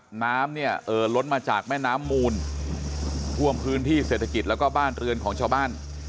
น้ำเนี่ยเอ่อล้นมาจากแม่น้ำมูลท่วมพื้นที่เศรษฐกิจแล้วก็บ้านเรือนของชาวบ้าน